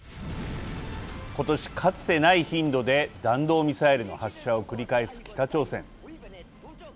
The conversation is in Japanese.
今年、かつてない頻度で弾道ミサイルの発射を繰り返す北朝鮮。